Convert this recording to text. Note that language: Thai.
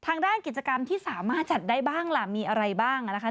ทางด้านกิจกรรมที่สามารถจัดได้บ้างล่ะมีอะไรบ้างนะคะ